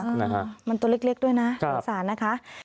เจ็บนะมันตัวเล็กด้วยนะรักษานะคะ